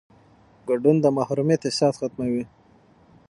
ګډون د محرومیت احساس ختموي